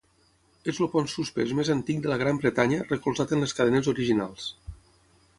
És el pont suspès més antic de la Gran Bretanya recolzat en les cadenes originals.